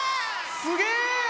すげえ！